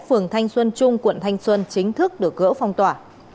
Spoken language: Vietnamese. phường thanh xuân trung quận thanh xuân chính thức được gỡ phong tỏa